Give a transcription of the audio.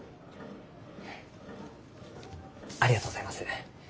ありがとうございます。